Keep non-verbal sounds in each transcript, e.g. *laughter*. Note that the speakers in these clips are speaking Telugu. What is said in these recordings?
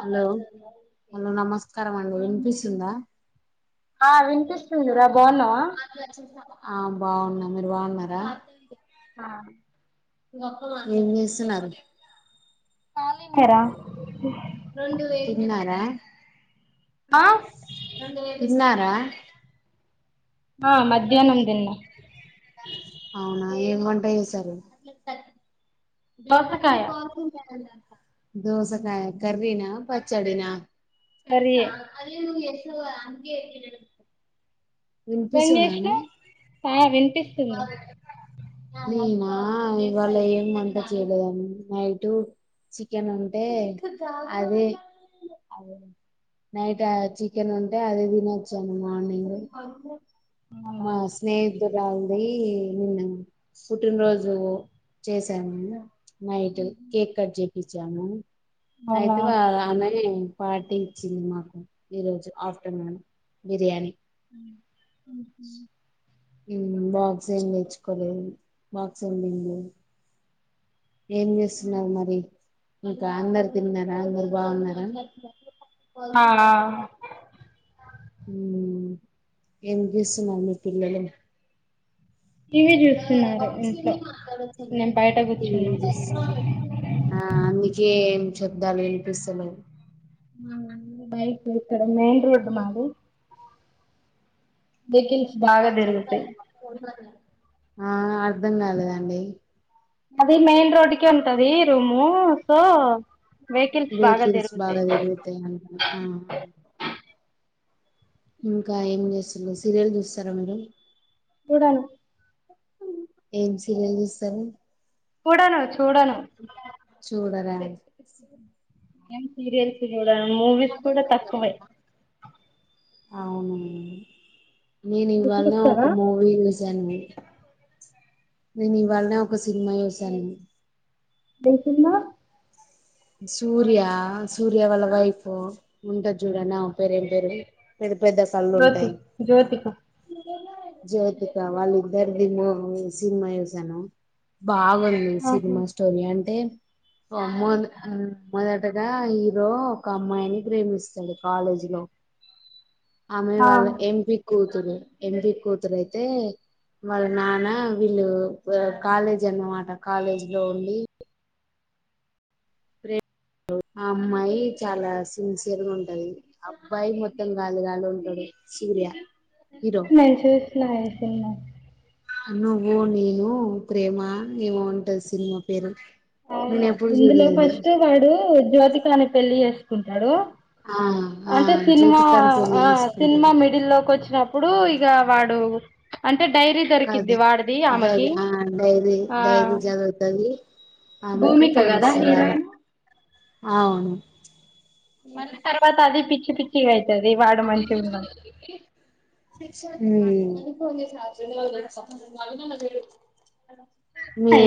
హలో హలో నమస్కారం అండి వినిపిస్తుందా ఆ విపిస్తుందిరా బాగున్నావా ఆ బాగున్న మీరు బాగున్నారా ఆ ఏం చేస్తున్నారు కాలింగ్ ఆ రా తిన్నారా ఆ తిన్నారా ఆ మధ్యాహ్నం తిన్న అవునా ఏం వంట చేశారు దోసకాయ దోసకాయా కరీనా పచ్చడినా కర్రీ స అదే ను ఎస అే నువ్వేం వినిపిస్తుంద అండి చేసినవ్ ఆ వినిపిస్తుంది అే నేన ఇవాళ ఏం వంట చేయలేదు ఆన్ నైట్ చికెన్ ఉంటే అది అదే నైట్ చికెన్ ఉంటే అదే తినొచ్చాను మార్నింగ్ అవునా మా స్నేహితురా అ నిన్ను పుట్టినరోజు చేశాను నైట్ కేక్ కట్ చేపించాము అవునా అయితే వా అమే పార్టీ ఇచ్చింది మాకు ఈ రోజు ఆఫ్టర్నూన్ బిర్యానీ ఉహు బాక్స్ ఏం తెచ్చుకోలేదు బాక్స్ ఏం చేస్తున్నారు మరి ఇంకా అందరు తిన్నారా అందరు బాగున్నారా ఆ ఆ ఎం చేస్తున్నారు మీ పిల్లలు టీవీ చూస్తున్నారు ఇంట్లో నేను బయట కూర్చున్నా ఆ అందుకేం చెప్ద్దాల వినిపిస్తలు ఆయి అయితడ మెయిన్ రోడ్ మది బాగా తిరుగుతాయి ఆ అర్థం కాలేదండి అది మెయిన్ రోడ్క ఉంటది రూము సో వెహికల్స్ బాగా బాగా జరుగుతాయి తిరుగుతాయి అంట ఆ ఇంకా ఏం చేస్తురు సీరియల్ చూస్తారా మీరు చూడను ఏం సీరలు చుస్తారు చూడను చూడను చూడరా నేం సీరియల్స్ చూడను మూవీస్ కూడా తక్కువే అవును నేను ఇవాళ ఒక చూస్తావా మూవీ యూస్ జనుము నేను ఇవాళనే ఒక సినిమా చూశాను డెంఖినో సూర్యా సూర్య వాళ్ళ వైఫు ఉంటది చూడండి ఆమ పేరు ఏం పేరు పెద్ద కళ్లు జ్యోతి ఉంటయి జ్యోతిక జ్యోతిక వాళ్ళ ఇద్దరిది మూవీ సినిమా చూసాను బాగుంది ఆహా సినిమా స్టోరీ అంటే వామోన్ ఆ మొదటగా హీరో ఒక అమ్మాయిని ప్రేమిస్తాడు కాలేజీ లో ఆమె ఆ వాళ్ళ ఎంపి కూతురు ఎంపి కూతురయితే వాళ్ళ నాన్న వీళ్ళు అ కాలేజ్ అన్నమాట కాలేజ్ లో ఉండి నువ్ ఆ అమ్మాయి చాలా సిన్సియర్ గ ఉంటది అబ్బాయి మొత్తం గాలి గాలి ఉంటడు ప్రియ తెలుస్తున్నాయ్ చూస్తున్నాయ్ సినిమా నువు నేను ప్రేమ ఏమో ఉంటది సినిమా పేరు అ నేను ఎప్పుడు ఇందులో చూడలేదు ఫస్ట్ వాడు జ్యోతికానే పెళ్లి చేసుకుంటడు ఆ ఆ అంటే సినిమా జ్యోతికను పెళ్లి ఆ సినిమా చేసుకుంటాడు మిడిల్ లోకి వచ్చినప్పుడు ఇగ వాడు ప్చ్ అంటే డైరీ దొరికిది కాదు వాడిది ఆమెకి ఆ దొరకని ఆమెకు భూమిక కదా తెలుస్తది అలా హీరోయిన్ అవును మళ్ళి తరావత అది పిచ్చి పిచ్చిగయి ఊ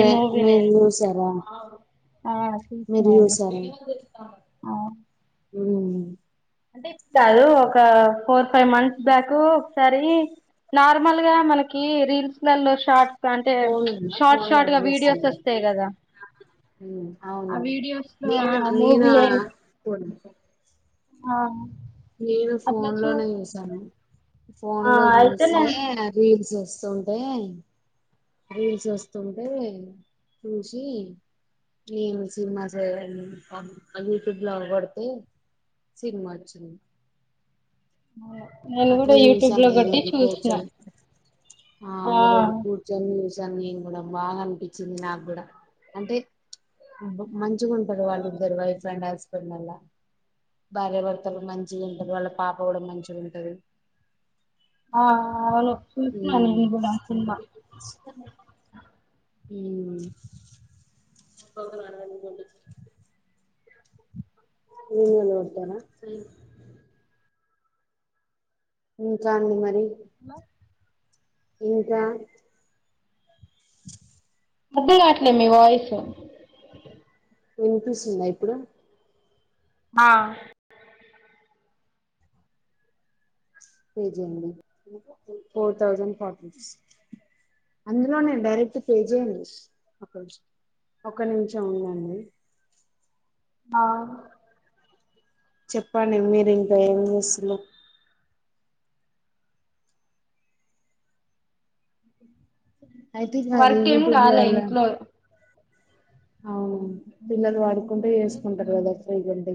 ఈ మూవీ మీరు నేను చూసారా ఆ మీరు చూసినాను చూసారా ఊ టారు ఒక ఫోర్ ఫైవ్ మంత్స్ బ్యాక్ సరీ నార్మల్ గా మనకి రీల్స్లలో షార్ట్ అంటే ఫోన్ ఉందా షార్ట్ ఫోన్ లో షార్ట్ గా వీడియోస్ వస్తాయి కదా ఊ ఆ అవును వీడియోస్ లో మీనా మూవీ మీనా పోనిలే ఆ నేను అట్లా ఫోన్ చూ లోనే చూసాను ఫోన్ ఆ లో చూసే అయితేనే రీల్స్ వస్తుంటే రీల్స్ వస్తుంటే చూసి రీల్స్ మా సె యూట్యూబ్ బ్లో గొడితే సినిమా వచ్చింది నేను అట్ల కూడా యూట్యూబ్ యూసాను లో నేను కొట్టి ఒగ చూసిన కొంచం ఆ ఇ రోజు కూర్చొని చూస్ చ నేను కూడా బాగా అనిపిచిది నాకు కూడా అంటే బు మంచిగుంటరు వాళ్ళు ఇద్దరు వైఫ్ అండ్ హస్ కొన్న అలా భార్యభర్తలు మంచిగా ఉంటారు వాళ్ళ పాప కూడా మంచిగా ఉం సరే ఆ అవును సూస్న నేన్ కూడా ఆ సినిమా ఊ ఒక్కొక్కలు అందరు బొండ్లి నేన్ కూడా వెళ్తనా చెస్ నుంచొండి మరి హలో ఇంకా మధ్య రాట్లే మీ వాయిస్ వినిపిస్తుందా ఇప్పుడు ఆ పే చేయండి ఫోర్ థౌసండ్ ఫార్టీ రూపిస్ అందులో నేను డైరెక్ట్ పే చేయను ఆకాంక్ష ఒక నిమిషం ఉండండి ఆ చెప్పండి మీరు ఇంకా ఏం చేస్తనారు అయితే ఇక అది వర్క్ ఏం యూట్యూబ్ రాలా ఇంట్లో అవునవును పిల్లలు పడుకుంటే చేసుకుంటారు కదా ఫ్రీగంటే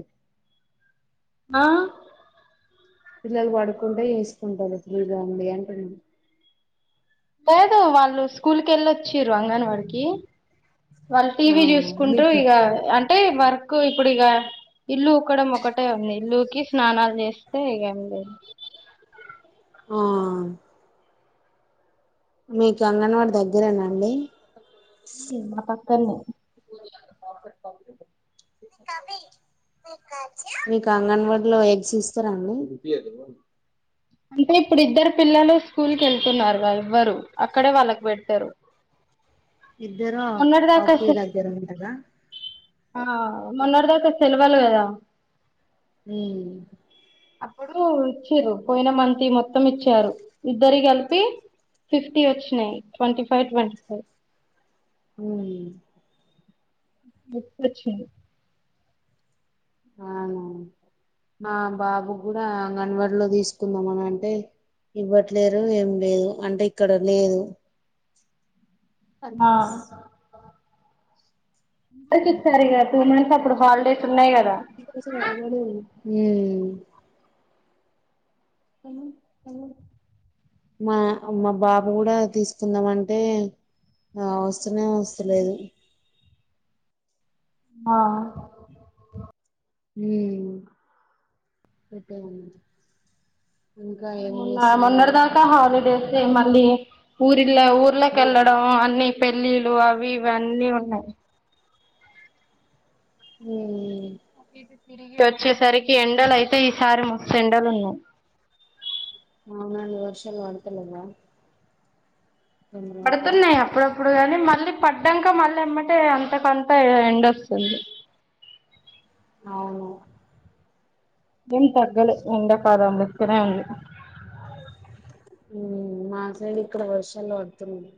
ఆ పిల్లలు పడుకుంటే వేసుకుంటారు ఫ్రీ గా అండి అంటన్నా లేదు వాళ్ళు స్కూల్ కి ఎల్లోచిర్రా అంగన్ వాడికి వాళ్ళు ఆ టీవీ చూసుకుంటరు మీకు ఇగ అంటే వర్క్ ఇప్పుడు ఇగ ఇల్లు వుకడం ఒకటే ఉంది ఇల్లుకి స్నానాలు చేస్తే ఇగ ఎం లేదు ఆ మీకు అంగన్వాడి దగ్గరేనాండి ఇ మా పక్కన్నే క మీకు అంగన్వాడీలో ఎగ్స్ ఇస్తారాండి అంటే ఇప్పుడు ఇద్దరు పిల్లలు స్కూల్ కి వెళ్తున్నారుగా ఇవ్వరు అక్కడే వాళ్ళకు పెడతారు ఇద్దరు మొన్నటి దాకా ఒకే దగ్గర ఉంటరా ఆ మొన్నటి దాకా సెలవలు కదా మ్ అప్పుడు ఇచిర్రు పోయిన మంతియి మొత్తం ఇచ్చారు ఇద్దరియి కలిపి ఫిఫ్టీ వచ్చినాయి ట్వంటీ ఫైవ్ ట్వంటీ ఫైవ్ మ్ గుర్తొచ్చింది అవునా మా బాబు కూడా అంగన్వాడిలో తీసుకుందాం అన అంటే ఇవ్వట్లేరు ఏం లేదు అంటే ఇక్కడ లేదు ఫైవ్ ఆ టైమ్స్ ఇచ్చేస్తారి గా టూ మంత్స్ అప్పుడు హాలిడేస్ ఉన్నాయి కదా మ్ *unintelligible* ఆ మా బాబు కూడా తీసుకుందాం అంటే ఆ వస్తనే వస్తలేదు ఆ మ్ చెప్పాలి మొన్న మొన్నటి దంకా హాలిడేస్ మళ్ళీ ఊరిళ ఊర్లోకెళ్ళడం అన్ని పెళ్ళిలు అవి ఇవి అన్నీ ఉన్నాయి మ్ అటు ఇటు తిరిగి వచ్చేసరికి ఎండలు అయితే ఈసారి మస్తు ఎండలు ఉన్నాయి అవునండి వర్షాలు పడతలేవా? రెండు రోజులు? పడుతున్నాయ్ అప్పుడప్పుడు కానీ మళ్ళీ పడ్డంక మళ్ళె ఎమ్మటనే కొంత ఎండొస్తుంది అవును ఏం తగ్గలే ఎండ చాలా ముస్తనే ఉంది ఉమ్ మాసైడు ఇక్కడ వర్షాలు పడుతుంది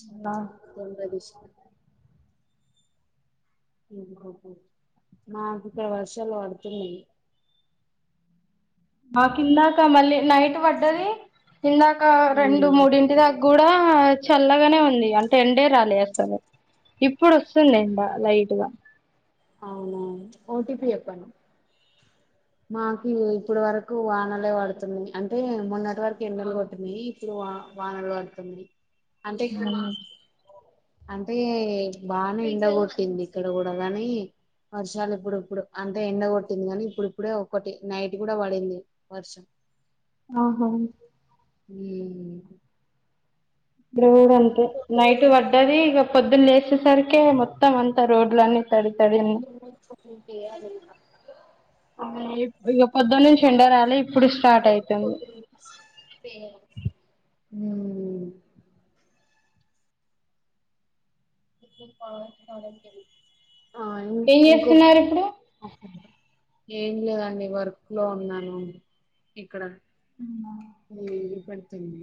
అవునా *unintelligible* మాకు ఇక్కడ వర్షాలు పడుతున్నాయ్ మాకిందకా మళ్ళీ నైట్ పడ్డది ఇందాక రెండు మూడింటి దా కూడా చల్లగానే ఉం ంది అంటే ఎండే రాలే అసలు ఇప్పుడు వస్తుంది ఎండ లైట్ గా అవును అవును ఓటిపీ చెప్పండి మాకి ఇప్పుడు వరకు వానలే పడుతుంది అంటే మొన్నటి వరకు ఎండలు కొట్టినయ్ ఇప్పుడు వా వానలు పడుతుంది అంటే అంటే బానే ఎండగొట్టింది ఇక్కడ కూడా కానీ వర్షాలు ఇప్పుడు ఇప్పుడు అంటే ఎండ కొట్టింది కానీ ఇప్పుడు ఇప్పుడే ఒకటి నైట్ కూడా పడింది వర్షం ఆహా ఉమ్ ఈడ కూడా అంతే నైట్ పడ్డది ఇక పొద్దున లేచేసరికే మొత్తం అంతా రోడ్లన్నీ తడి తడి అన్నీ అ ఇగో పొద్దొనుంచి ఎండోరాలే ఇప్పుడు స్టార్ట్ అయితుంది. ఊమ్ *unintelligible* సరి ఆ ఇం ఏం ఇంకో చేస్తున్నారు ఇప్పుడు ఓకే అండి ఏం లేదండి వర్క్ లో ఉన్నాను ఇక్కడ అవునా ఇది పెడుతుంది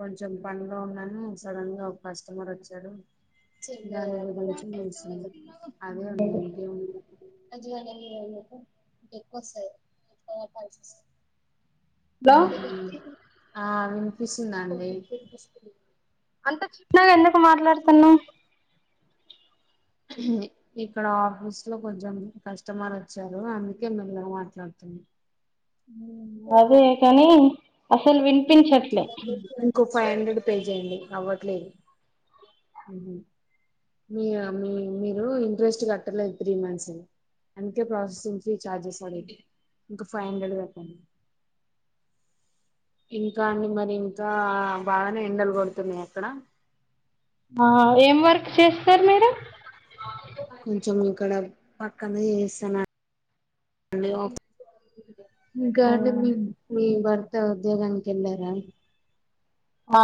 కొంచెం పన్లో ఉన్నాను సడన్ గా ఒక కస్టమర్ వచ్చాడు చెంగా గల చూస్తున్నాడు అదే ఉన్నా మీకే ఉం అజవాకు *unintelligible* సార్ ఎక్కువస్తాయ్ *unintelligible* హలో ఆ వినిపిస్తుందండి అంత చిన్నగా ఎందుకు మాట్లాడుతున్నా? ఇక్కడ ఆఫీస్ లో కొంచెం కస్టమర్ వచ్చారు అందుకే మెల్లగా మాట్లాడుతు ఉమ్ అదే కాని అసలు వినిపించట్లే ఇంకో ఫైవ్ హండ్రెడ్ పే చెయ్యండి అవ్వట్లేదు ఊహు మీ మీ మీరు ఇంట్రెస్ట్ కట్టలేదు త్రీ మంత్స్ ని అందుకే ప్రాసెసింగ్ ఫ్రీ చార్జెస్ అది ఇంకా ఫైవ్ హండ్రెడ్ కట్టాలి ఇంకా అండి మరి ఇంకా బాగానే ఎండలు కొడుతున్నాయ్ అక్కడ ఆ ఏం వర్క్ చేస్ కొంచెం ఇక్కడ పక్కన చేస్తాన ఆఫీ ఇకా అండి అవునా! మీ మీ భర్త ఉద్యోగానికి వెళ్ళారా? ఆ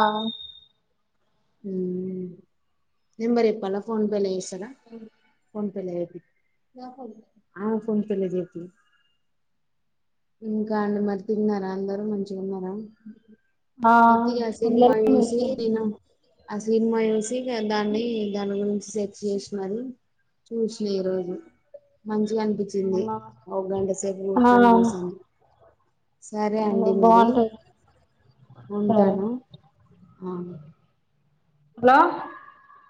ఉం నెంబర్ చెప్పాల ఫోన్పే లో వేస్తారా ఫోన్పే లో ఏపి ఆయన ఫోన్ పే లో చేపి ఇంకా అండి మరి తిన్నారా అందరు మంచిగున్నార ఆ పెద్ధి గా సినిమా అందరికీ చూసి తెలుసు నేను ఆ సినిమా చూసి దాన్ని దాని గురించి సెర్చ్ చేసి మరీ చూసినా ఈ రోజు మంచిగా అనిపించింది అవునా ఆ ఒక గంట సేపు కూర్చొని చూసి సరే అండి మరి బాగుంటది సరే ఉంటాను ఆ హలో